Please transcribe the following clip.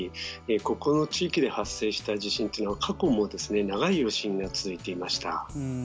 ここの地域で発生した地震というのは過去も長い余震が続いていました。